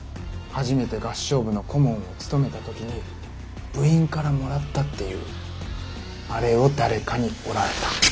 初めて合唱部の顧問を務めた時に部員からもらったっていうあれを誰かに折られた。